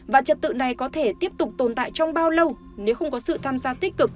và trật tự này có thể tiếp tục tồn tại trong bao lâu nếu không có sự tham gia tích cực